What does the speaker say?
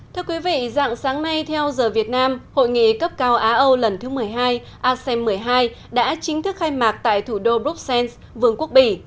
thưa quý vị dạng sáng nay theo giờ việt nam hội nghị cấp cao á âu lần thứ một mươi hai asem một mươi hai đã chính thức khai mạc tại thủ đô bruxelles vương quốc bỉ